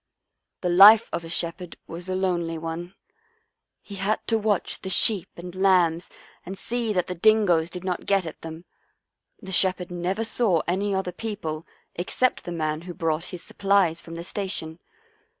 " The life of a shepherd was 36 Our Little Australian Cousin a lonely one. He had to watch the sheep and lambs and see that the dingoes 1 did not get at them. The shepherd never saw any other people except the man who brought his supplies from the station.